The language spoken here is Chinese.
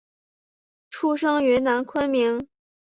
生于云南昆明。